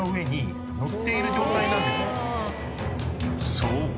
［そう。